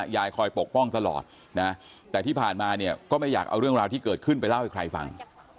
ยายคอยปกป้องตลอดนะแต่ที่ผ่านมาเนี่ยก็ไม่อยากเอาเรื่องราวที่เกิดขึ้นไปเล่าให้ใครฟัง